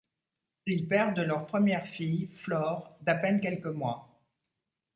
Ils perdent leur première fille, Flor, d'à peine quelques mois.